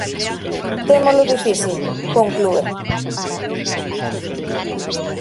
"Témolo difícil", conclúe.